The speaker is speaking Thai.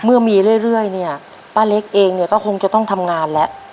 เมื่อมีเรื่อยเนี่ยป้าเล็กเองเนี่ยก็คงจะต้องทำงานแล้ว